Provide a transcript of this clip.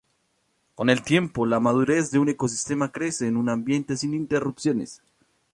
Con el tiempo, la madurez de un ecosistema crece en un ambiente sin interrupciones.